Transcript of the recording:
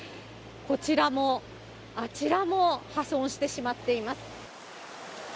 こちらも、あちらも破損してしまっています。